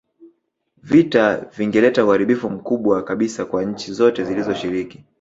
Vita vingeleta uharibifu mkubwa kabisa kwa nchi zote zilizoshiriki